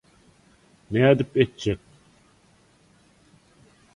Nädip etjek?